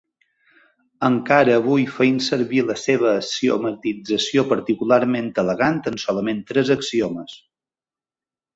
Encara avui fem servir la seva axiomatització particularment elegant en solament tres axiomes.